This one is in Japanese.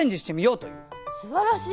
すばらしい！